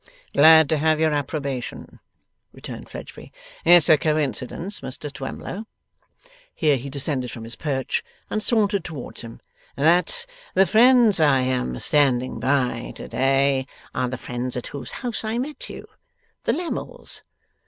'Glad to have your approbation,' returned Fledgeby. 'It's a coincidence, Mr Twemlow;' here he descended from his perch, and sauntered towards him; 'that the friends I am standing by to day are the friends at whose house I met you! The Lammles.